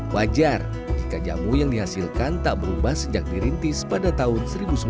wajar jika jamu yang dihasilkan tak berubah sejak dirintis pada tahun seribu sembilan ratus dua puluh lima